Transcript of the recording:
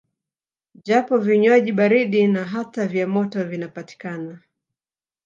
Japo vinywaji baridi na hata vya moto vinapatikana